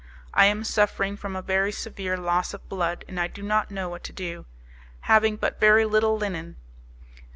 I am suffering from a very severe loss of blood, and I do not know what to do, having but very little linen.